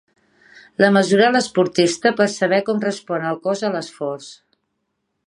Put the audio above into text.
La mesura l'esportista per saber com respon el cos a l'esforç.